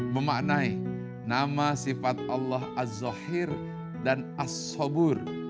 memaknai nama sifat allah az zahir dan az sabur